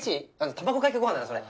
卵かけご飯だなそれ。